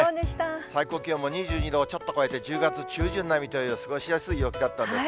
最高気温も２２度をちょっと超えて、１０月中旬並みという過ごしやすい陽気だったんです。